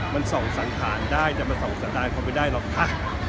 มันศังสรรคารได้แต่จะมันศังระวังค่อยได้หรอกค่ะ